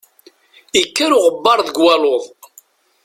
Ikker uɣebbar deg waluḍ.